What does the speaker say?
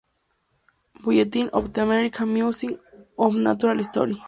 Bulletin of the American Museum of Natural History.